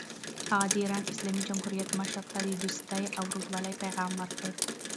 هغه د ایران اسلامي جمهوریت مشر ته د دوستۍ او ورورولۍ پیغام ورکړ.